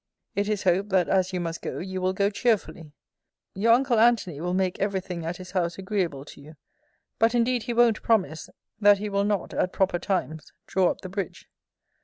It is hoped, that as you must go, you will go cheerfully. Your uncle Antony will make ever thing at his house agreeable to you. But indeed he won't promise, that he will not, at proper times, draw up the bridge.